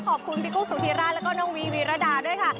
ขอบคุณพี่กุ้งสุธิราชแล้วก็น้องวีวีรดาด้วยค่ะ